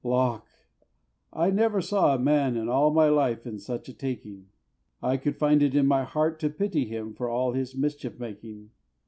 Lawk! I never saw a man in all my life in such a taking; I could find it in my heart to pity him for all his mischief making.